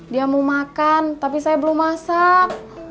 dia mau makan tapi saya belum masak